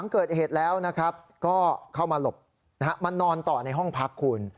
เกิดเหตุแล้วนะครับก็เข้ามาหลบมานอนต่อในห้องพักคุณ